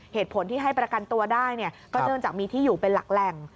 เหตุผลที่ให้ประกันตัวได้เนี่ยก็เนื่องจากมีที่อยู่เป็นหลักแหล่ง